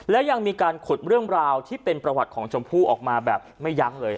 และยังมีการขุดเรื่องราวที่เป็นประวัติของชมพู่ออกมาแบบไม่ยั้งเลย